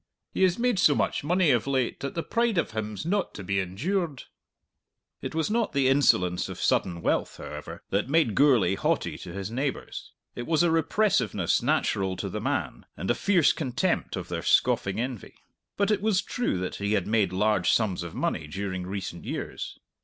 He has made so much money of late that the pride of him's not to be endured." It was not the insolence of sudden wealth, however, that made Gourlay haughty to his neighbours; it was a repressiveness natural to the man and a fierce contempt of their scoffing envy. But it was true that he had made large sums of money during recent years.